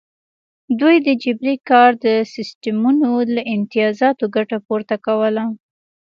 دوی د جبري کار د سیستمونو له امتیازاتو ګټه پورته کوله.